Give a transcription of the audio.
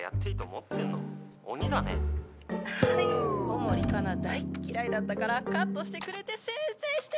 ☎小森かな大っ嫌いだったからカットしてくれてせいせいしてる！